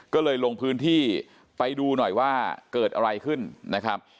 ก็เลยลงพื้นที่ไปดูหน่อยว่าเกิดอะไรขึ้นนะครับ